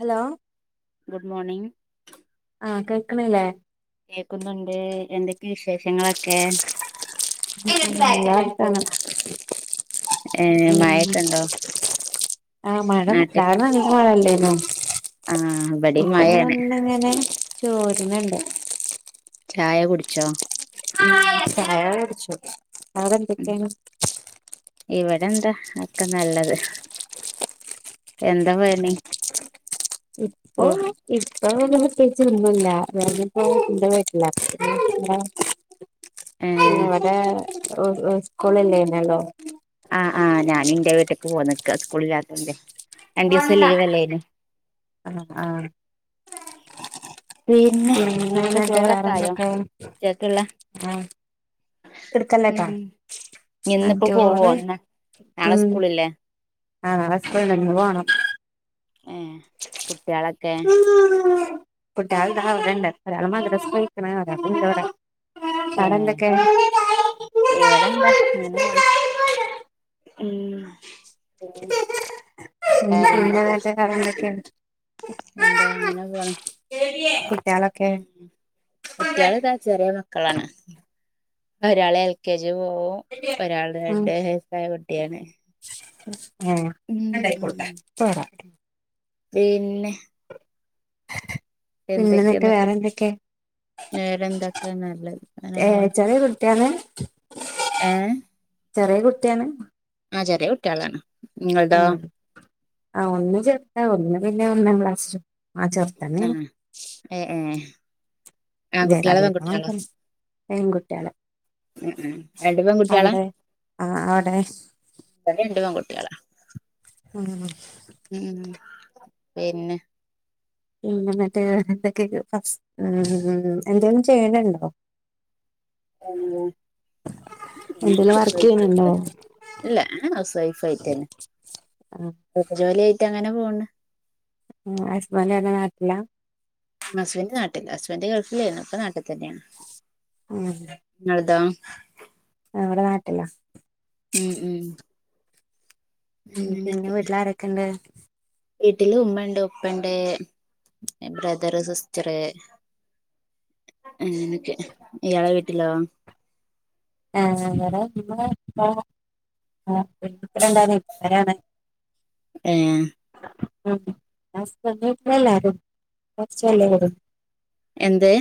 Hello good morning ആഹ് കേൾക്കണില്ലേ കേക്കുന്നുണ്ട് എന്തൊക്കെ വിശേഷങ്ങളൊക്കെ ഉം [inaudible] ഉം ഏ മഴൊക്കെ ഉണ്ടോ ആ മഴ രാവിലെ നാട്ടിൽ നല്ല മഴല്ലേ ആഹ് ഇവിടെയും ഇപ്പ ഇങ്ങനെ മഴയാണ് ഒന്നിങ്ങനെ ചോരുന്നുണ്ട് ചായ കുടിച്ചോ ഉം ചായ കുടിച്ചു ഉം അവടെന്തൊക്കെണ് ഇവിടെ എന്താ അക്കെ നല്ലത് എന്താ പറയണെ ഇപ്പൊ ഇപ്പ്‌ ഇപ്പൊ പ്രത്യേകിച്ച് ഒന്നുമില്ല വരണിപ്പൊ എന്റെ വീട്ടില പ്രെത്യേകിച്ച് എന്താ ഏ ഇന്ന് ഇവിടെ ഓ ഓ സ്കൂളില്ലേന്നല്ലോ ആഹ് ആഹ് ഞാനിന്റെ വീട്ട്ക്ക് പോന്നെക്ക സ്കൂളില്ലാത്തോണ്ടെ രണ്ടു ദിവസം ലീവ് ആഹ് അല്ലായിനൊ ആഹ് പിന്നെ എന്താ എന്നിട്ട് ചോറൊക്കെ ആയോ വേറെന്തൊക്കെ ഉച്ചക്കുള്ള ആഹ് എടുക്കല്ലേട്ടാ ഉം ആഹ് ഇന്നിപ്പോ പോവോ ചോറ് എന്നാ നാളെ ഉം സ്കൂളില്ലേ ആഹ് സ്കൂൾഇണ്ട് ഇന്ന് പോണം ഏഹ് കുട്ടികളെക്കെ കുട്ടികൾ താ അവിടെ ഇണ്ട് ഒരാള് മതർസെ പോയേക്കണ് ഒരാള് ഇണ്ട് ഇവിടെ അവിടെ ഏഹ് ഇവിടെ എന്താ ങ്ങനെ പോണ് ഉം ഉം പിന്ന വേറെന്തല്ല ന്നത്തെ കറി എന്തൊക്കെയാണ് എന്താ അങ്ങനെ പോണം എന്തൊക്കെ കുട്ടികളൊക്കെ ഉം കുട്ടികള്താ ചെറിയ മക്കളാണ് ഒരാള് എൽ കെ ജി പോവും ഒരാള് രണ്ട്സായ കുട്ടിയാണ് ഏഹ് ഉം ഉണ്ടായിക്കോടുക്കാൻ പ്പൊ വരാം പിന്നെ പിന്നെ എന്തൊക്കെയ എന്നിട്ട് വേറെ എന്തൊക്കെ വേറെന്തൊക്കാ നല്ലത് ഏഹ് ചെറിയ കുട്ടിയാണ് ഏഹ് ചെറിയ കുട്ടിയാണ് ആ, ചെറിയ കുട്ടിയാളാണ്, നിങ്ങളുടെതൊ ഉം ആ, ഒന്ന് ചെറുതാ, ഒന്നിനെ പിന്നെ, ഒന്നാക്ലാസ്സ്‌, ആ ചേർത്തെന്നെന്നെണ് ഏ ഏ ആൺകുട്ടികളോ പെൺകുട്ടികളോ [unintelligible] പെൺകുട്ടിയാൾ ഉം, ഉം, രണ്ടു പെൺകുട്ടിയാള, ആഹ് അവിടെ ഇവടെ രണ്ടും, ആൺകുട്ടിയാള ഉം, ഉം, പിന്നെ. പിന്നെ, മറ്റേ എതൊക്കെ, മ്മ, മ്മ്, എന്തേളും, ചെയ്യലിണ്ടോ ഉം, എന്തേലും വർക്ക് ചെയ്യണുണ്ടോ [unintelligible] ഇല്ല, ഞാന് ഓസ്‌വൈഫ്‌ ആയിട്ടേന്ന് ആഹ് ജോലി, ആയിട്ട് അങ്ങനെ, പോണ്. ആ, ഹുസ്ബൻഡ് നാട്ടിലാ ഹസ്ബൻഡ്, നാട്ടില, ഹുസ്ബൻഡ്, ഗൾഫിലേനിം, പ്പൊ, നാട്ട്തന്നെണ്, ഉം ഇങ്ങളെദോ നമ്മടെ, നാട്ടല്ലാ ഉം, ഉം. ഉ, പിന്നെ, അങ്ങനൊക്കെ വീട്ടിലാരൊക്കെ, ഇണ്ട്. വീട്ടില്, ഉമ്മ, ഉണ്ട്, ഉപ്പണ്ട്, ബ്രദറ്, സിസ്റ്ററ് ആ, എക്ക്, ഇയാള, വീട്ടിലോ ആ ഞങ്ങടെ ഏ [inaudible] [unintelligible] അത്, കുറച്ച്, എന്ത്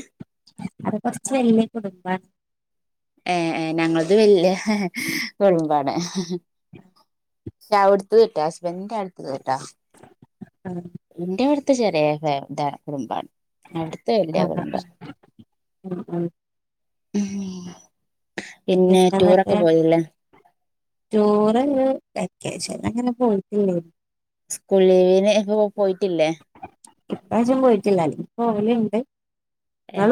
വല്ലേ, കുടുംബ ഏ, ഏ, ഞങ്ങളത്, വല്യ, വല്യ, കുടുംബണ് പക്ഷെ, അവിടുത്ത, കേട്ടാ, ഹസ്ബൻഡിന്റെ അടുത്ത, കേട്ടോ ആഹ് എന്റെ, വിടുത്തെ ചെറിയത കുടുംബണ്, അവിടുത്തെ, വലിയ ആഹ് കുടുംബ ഉം, ഉം. ഉം. പിന്നെ ടൂറൊക്കെ [unintelligible] പോയില്ലേ ചോറ് [unintelligible] അങ്ങനെ [unintelligible] സ്കൂൾ ലീവിന് പോയിട്ടില്ലേ ഇപ്രാവശ്യം, പോയിട്ടില്ല, അല്ലെങ്കി പോവലിണ്ട് ഏ,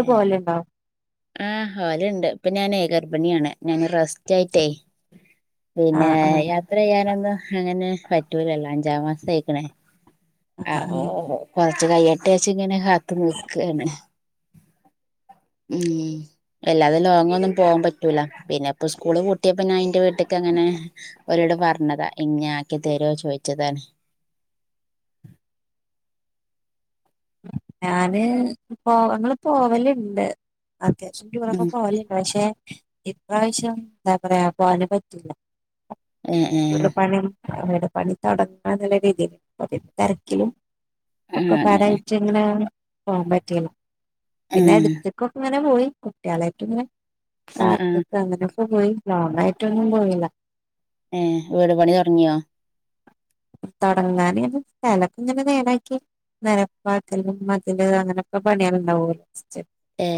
ആഹഹലുണ്ട്, ഇപ്പൊ, ഞാൻ ഏകർ ഭിണിയാണ്, ഞാൻ റെസ്റ്റ്, ആയിട്ടേ, പിന്നെ ആഹ് ആഹ് യാത്ര, ചെയ്യാനന്ന് അങ്ങനെ, പറ്റൂലല്ലോ, അഞ്ചാം മാസംയിക്കണേ, ആ ആഹ് കയ്യട്ടെച്ച്, ങ്ങനെ, കാത്ത് നിക്കാണ്, ഹ്മ്, അല്ലാതെ ലോങ്, ഒന്നും, പോകാൻ, പറ്റൂല, പിന്നെ ഇപ്പ, സ്കൂള് പൂട്ടിയപ്പ, ഞാന്റെ, വീട്ടക്ക് അങ്ങന ഒ പറഞ്ഞതാ, ഇങ്ങെ, ആക്കി തരോ, ചോയ്ച്ചതാണ് ഞാന്, പോങ്ങള്, പോവലുണ്ട് അത്യാശ്യ, ടൂർ ഒക്കെ, ഉം പോവലിണ്ട്, പശെ ഇപ്രാവശ്യം, എന്താ പറയാ, പോവാൻ പറ്റില്ല എ, ഏ, ഉം. അവരുടെ, പണിത്തടങ്ങ, നല്ല രീതിൽ, തിരക്കിലും ആഹ, അങ്ങനെ. [unintelligible] പോവാൻ, പറ്റീല, ഏ പിന്നെ എടുത്ത്കൊക്കെ, ങ്ങനെ പോയി, കുട്ടിയാളെ ആ ആ പാർക്കൊക്കെ, അങ്ങനെയൊക്കെ, പോയി, ലോങ് ആയിട്ടൊന്നും, പോയില്ല ഏ, വീട് പണി, തൊടങ്ങിയോ തൊടങ്ങാന്, സ്ഥലൊക്കെ, ഇങ്ങനെ, നേരാക്കി നരപ്പാക്കലും, മതില്, അങ്ങനെയൊക്കെ, പണിയാനുണ്ടാവലോ ഏ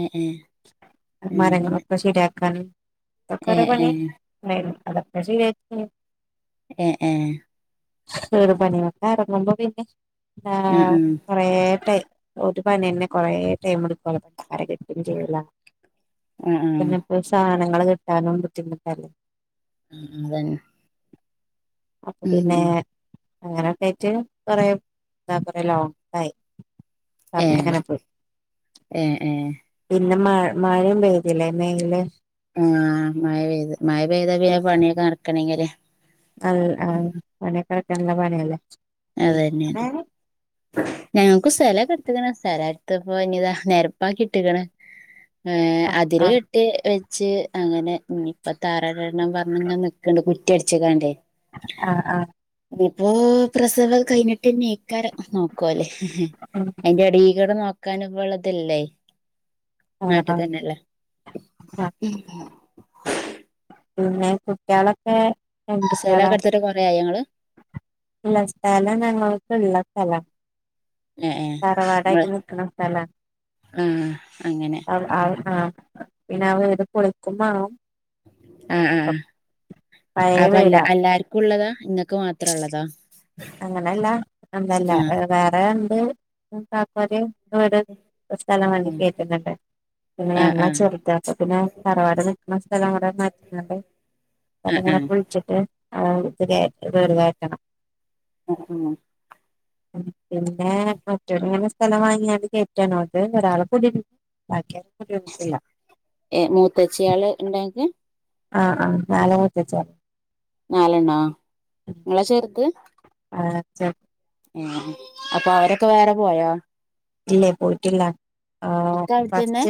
ഏ ഏ ഏ അങ്ങനെ മരങ്ങളൊക്കെ, ശെരി പണി ഏ ഏ എ ഏ കേറു പണിയൊക്കെ ഇറങ്ങുമ്പോ പിന്നെ എ ആ കൊറേ ടൈം പനിയന്നെ കൊറെേ ടൈംടുക്കും പര കിട്ടും ചെയ്ല ആ ആ ആ പിന്നെപ്പോ സാധനങ്ങള് കിട്ടാനും ബുദ്ധിമുട്ടല്ലേ അതന്നെ ഉം അപ്പോപിന്നെ ഉം അങ്ങനെയൊക്കെ ആയിട്ട് കൊറെ [unintelligible] കൊറെ ലോങ്ങായി ഏ സമയങ്ങനെപോയി ഏ ഏ പി ന്നെ മഴ മഴയും പെയ്തില്ലേ മെഴില് ആ മഴ പെയ്ത് മഴ പെയ്താ പിന്നെ പണിയൊക്കെ നടക്കണങ്കില് അയ് ആ പണിയൊക്കെ എട്ക്കാ നല്ല പണിയല്ലേ പിന്നെ അതന്നേണ് ഞങ്ങക്ക് സ്ഥലൊക്കെ ഇട്ത്ത്ക്ക്ണ് സ്ഥലട്ത്ത് ഇപ്പൊഞ്ഞ്താ നെരപ്പാകി ഇട്ടിക്ക്ണ് ഏ അതിര് ആഹ് കെട്ടി വെ ച്ച് അങ്ങനെ ഇഞ്ഞിപ്പൊ തറടണം പറഞ്ഞ്ങ്ങനെ നിക്ക്ണ്ട് കുറ്റി അടിച്ച്ക്കാണ്ടേ ആ ആ ഇഞ്ഞിപ്പോ പ്രസവം കഴിഞ്ഞിട്ടെന്നേക്കാരം നോക്കുവാല്ലേ ആഹ് അയിന്റെ എടേകൂടെ നോക്കാനുപ്പള്ളെ ഇതില്ലേ ആഹ് ആഹ് നാട്ട്തന്നെയല്ലെ പിന്നെ കുട്ട്യാളൊക്കെ ആൺകുട്ടിയളാ സ്ഥലൊക്കെ എടുത്തിട്ട് കൊറേ ആയോ ഇങ്ങള് ഇല്ല സ്ഥലം ഞങ്ങൾക്ക്ള്ള സ്ഥലാ ഏഹ് ഏഹ് ഇങ്ങള് തറവാടായിട്ട് നിക്ക്ണ സ്ഥലാ ആഹ് അങ്ങനെ ആഹ് ആഹ് ആ പിന്നെ വീട് പൊളിക്കുമാണം ആ ആ പഴയ അപ്പല്ലാ വീടാ എല്ലാർക്കുള്ളതാ ഇങ്ങക്ക് മാത്രള്ളതൊ അങ്ങനെയല്ല എന്തല്ലാ ഏ വേറേണ്ട് കാക്കാര് വീട് സ്ഥലം വാങ്ങി ഉം കേട്ടിട്ട്ണ്ട് പിന്നെ ആഹ് ഞങ്ങള് ആഹ് ചെറുത അപ്പ പിന്നെ തറവാടിന് [unintelligible] മാറ്റുന്നുണ്ട് ആഹ് ആഹ് ആഹ് ഇന്നിട്ട്ങ്ങനെ ആഹ് കുഴിച്ചിട്ട് ആ ഇതൊക്കെ കേറ്റിട്ടൊഴിവാക്കണം ആ ഉം ഉം ഉം പിന്നെ മറ്റുള്ളോരെ സ് സ്ഥല വാങ്ങിയാണ് കേറ്റാണോ അത് ഒരാള് [unintelligible] ബാക്കിയാരൊ ഏ മൂത്തച്ചിയാള് ഇണ്ടോ അനക്ക് ആ ആ നാല് മുത്തച്ഛിയാള് നാലെണ്ണൊ ഇങ്ങളാ ചെറുത് ആ ചെ ഏ അപ്പൊ അവരൊക്കെ വേറെ പോയോ ഇല്ലേ പോയിട്ടില്ല ആഹ് ഒക്കെ അവിടെതന്നെ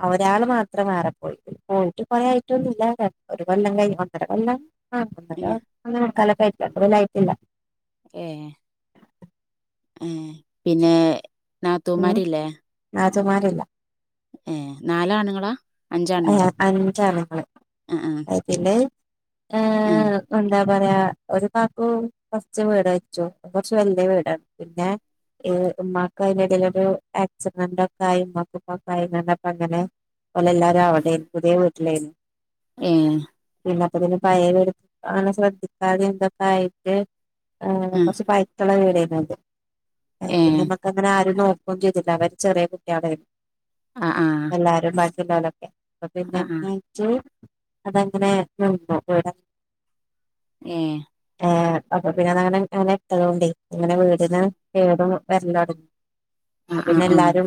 ആ ഒരാള് മാത്രം വേറെ പോയി പോയിട്ട് കൊറേ ആയിട്ടൊന്നുല്ല കെ ഒരു കൊല്ലം കഴിഞ്ഞ് ഒന്നര കൊല്ലം ആ ഒന്നര ഏഹ് ഒന്നേ മുക്കാലൊക്കെ ആയി രണ്ട് കൊല്ലം ആയിട്ടില്ല ഏ ഏ പിന്നെ നാത്തൂമാരില്ലേ ത്തൂമാരില്ല ഏ നാലാണുങ്ങളാ ആ അഞ്ചാണുങ്ങളോ അഞ്ചാണ്ങ്ങള് ആഹ് അയ് പിന്നെ ഏ ആഹ് എന്താ പറയാ ഒരു കാക്കു കൊറച്ച് വീട് വെച്ചു കൊറച്ച് വല്ല്യയാ വീടാണ് പിന്നെ ഏ ഉമ്മാക്ക് അയിന്റെടേലൊരു ആക്സിഡന്റ് ഒക്കായി ഉമ്മാക്ക ഉപ്പാക്കു ആയി ഞാണ്ട്പ്പം അങ്ങനെ ഓല് എല്ലാരും അവിടെ പുതിയ വീട്ടിലേന് ഏ പിന്നെ അപ്പ പിന്നെ പഴേത് എടു ആണ് ശ്രദ്ധിക്കാതെ എന്തൊക്കായിട്ട് ആ അങ്ങനെ ഏഹ് ആഹ് കൊറച്ച് പൈക്കളെ റെഡിയായിക്ക്ണ്പ്പം പിന്നെ ഏഹ് നമ്മക്ക് അങ്ങനെ ആരും നോ പൊക്കിയോക്ക്ല്ലാ വച്ചതെ കുട്ട്യാളെ ആഹ് ആഹ് ക്കിളോലൊക്കെ അപ്പ പിന്നെ ആഹ് ആഹ് [unintelligible] അതങ്ങനെ ആഏ അപ്പൊ പിന്നെ അതങ്ങനെ അങ്ങനെ എട്ടതൊണ്ട്േ അങ്ങനെ വീടന്ന് വീടും വരല്ലോ തുടങ്ങ ആഹ് ആഹ് പിന്നെ ആഹ് എല്ലാരും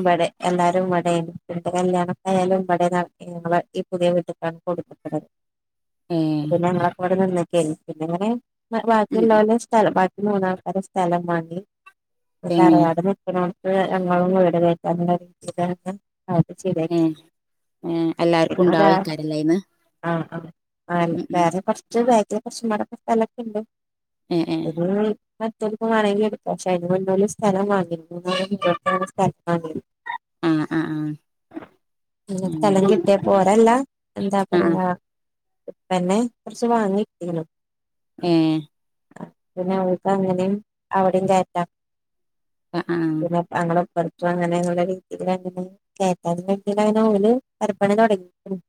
എല്ലാരുംട പിന്റെ കല്യാണായാലുംട ഞങ്ങള് ഈ പുതിയ വീട്ടക്കാണ് കൊടുക്കട്ടത് ഏഹ് പിന്നെ ഞങ്ങളവിടെ നിന്ന നെ ഉം ബാക്കിയുള്ള സ്ഥലം ബാക്കി മൂന്ന് ആൾക്കരു സ്ഥലം വാങ്ങി ഏഹ് തറവാട് നിക്കക്ക് ഞും വീട് കക്കാനുള്ള രീൽ ശരിയാക്കി ഏഹ് എല്ലാർക്കും പിന്നെ ഉണ്ടാവോ ഒരാ ഇക്കാരല്ലേ ഇന്ന് ആ ആ വേറെ കുറച്ച് വേഗ പ്രശ്നങ്ങളടൊക്കെ സ്ഥലമൊക്കെ ഉണ്ട് ഏഹ് ഏഹ് അ വേണെങ്കിൽ എക്ക പക്ഷെ അതിന് മുന്ന സ്ഥലം വാങ്ങി മ സ്ഥല വങ്ങരുന്നു ആഹ് ആഹ് ആഹ് അങ്ങനെ സ്ഥല കിട്ടേ പോരല്ല എന്താ ആഹ് പറയാ ഇന്നെ കുറച്ച് വാങ്ങി കിട്ടീനു എഹ് പിന്നെ അവൾക്ക് അങ്ങനേും അവിടെയും ചേറ്റാം ആഹ് പിന്നെ താങ്കളെ പഠത്ത അങ്ങനെയുള്ള രീതിൽങ്ങനെ അതിന് വേണ്ടി അതിന് ഓല് പെരപ്പണി തുടങ്ങിയിണ്ട്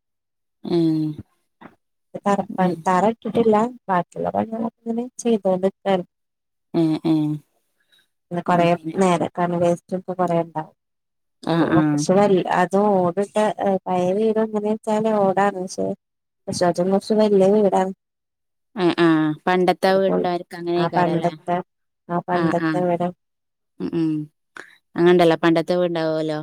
ഏ തറ താറ ഇട്ടിട്ടില്ല ബാക്കിയുള്ള പ ഇങ്ങനെ ചെയ്തക്കാ ഏ ഏ കൊറേ നേരെ ക വേസ്റ്റ് ഒക്കെ കൊറണ്ടാവും ആഹ് ഓ ആഹ് സവാരി അതും ഓടിട്ട പയറി വരും അങ്ങനെ വെച്ചാല് ഓടാണ് പക്ഷെ പക്ഷ അതും കൊർച്ച് വലിയ വീടാണ് ആഹ് ആഹ് പണ്ടത്തെ അടിപൊളി വീടിണ്ടാർക്ക് ആ അങ്ങനെയൊക്കാാരല്ലേ പണ്ടത്തെ ആ ആഹ് പണ്ടത്തെ ആഹ് വീട് ഉം ഉം അങ്ങനണ്ടല്ലോ പണ്ടത്തെ വീണ്ടാവുമല്ലോ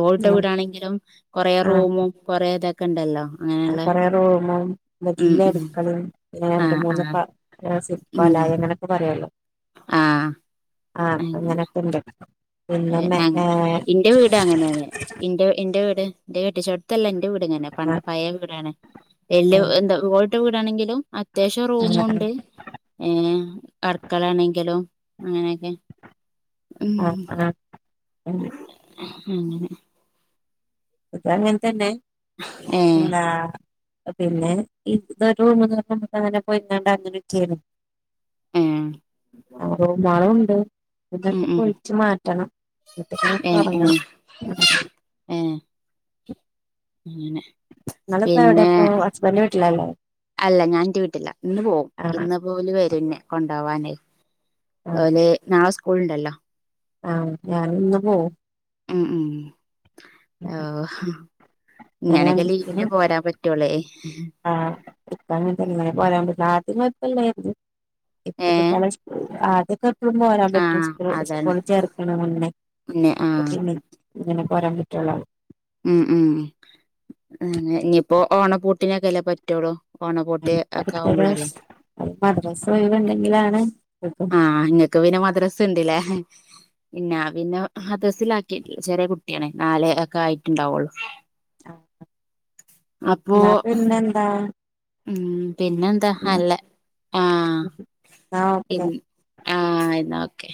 ഓടിട്ട ഉം വീടാണെങ്കിലും കൊറെേ റൂമും കൊറെേ ഇതൊക്കെ ഉണ്ടല്ലോ അങ്ങനെയുള്ള കൊറേ റൂമും ഉം വല്ല്യ ഉം അടുക്കളും രണ്ട് ആഹ് മൂന്ന് ആഹ് ഉം ല അങ്ങനൊക്കെ പറയല്ലോ ആഹ് ആഹ് അങ്ങനൊക്കെണ്ട് ഞ എന്റെ വീട് അങ്ങനെയാണ്ന്റെ എന്റെ വീട് എന്റെ കെട്ടിച്ചടത്തല്ല എൻ്റെ വീട് ങ്ങെ പ ആഹ് പഴയ വീടാണ് എല്യ ആഹ് എന്താ ഓടിട്ട വീടാണെങ്കിലും അത്യാവശ്യം ആഹ് റൂമുണ്ട് ഏ അടക്കളാണെങ്കിലും അങ്ങനെയൊക്കെ ഉം ആഹ് ആഹ് ഉം അങ്ങനെ അതാ അങ്ങനത്തന്നെ ഏഫ് പിന്നെ ഇതൊരു റൂമ്ന്ന് ഒരു റൂമുക്ക് അങ്ങനെ പോയിാണ്ട് അങ്ങറ്റരുന്നു ഏ ആ മഴുണ്ട് ഉം എന്നൊക്കെ ഉം പൊളിച്ചു മാറ്റണം എന്നത്തന ഏ ഏ തൊടങ്ങണം ഏ അങ്ങനെ നിങ്ങളിപ്പോ എവിടെ പിന്നെ ഇപ്പോ ഹസ്ബൻഡിന്റെ വീട്ടിലല്ലേ അല്ല ഞാൻറ്റ വീട്ടില ഇന്ന് പോകും ആഹ് ഇന്ന് പോലും വരുന്ന കൊണ്ടാവാനേ ആഹ് ഓല് നാളെ സ്കൂളുണ്ടല്ലോ. ആഹ് ഞാന ഇന്ന് പോവും ഉം ഉ ആഹ് ഞാൻ ഇങ്ങനൊക്കെ ലീവിന് പോരാൻ പറ്റോളേ ആ ഇപ്പ ങ്ങൻതന്നെ നാളെ ത്തിന് കൊഴപ്പല്ലപ ഏ ഇപ്പാലും ആതൊക്കെ എപ്പോഴും പോരാൻ ആ പറ്റു അതാണ് സ്സ്കൂള്ല് ചേർക്കണ മുന്നേ പിന്നെ ഇപ്പൊ ആഹ പിന്നെ ഇങ്ങനെ പോരാൻ പറ്റുള്ള ഉം ഉം ഇനിയിപ്പോ ഓണപ്പൂട്ടിനൊക്കെല്ലേ പറ്റോളൂ. ഓണ പൂട്ട്ഒക്കെ ആാക്മ്പോളല്ലേ. മദ്രാസ് ഒ യ്‌വ് ഉണ്ടെങ്കിലാണ്. ആഹ നിങ്ങക്ക് പിന്നെ മദ്രസ ണ്ടല്ലേ? പിന്നെ പിന്നെ മദ്രസിലആാക്കിട്ടില്ല ചെറിയ കുട്ടിയാണ് നാലേ ഒക്കെ ആയിട്ട്ണ്ടാവുള്ളു. ആ എന്നാ പിന്നെന്താ ഉം പിന്നെന്താ ഉം, അല്ല ആഹ എന്നാ പി ഓക്കെ ആ യിന്നാ ഓക്കെ.